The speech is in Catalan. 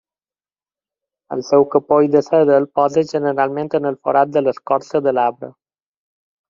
El seu capoll de seda el posa generalment en els forats de l'escorça de l'arbre.